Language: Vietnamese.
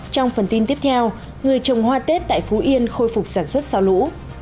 trong phần tin tiếp theo người trồng hoa tết tại phú yên khôi phục sản xuất sau lũ